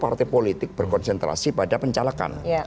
partai politik berkonsentrasi pada pencalekan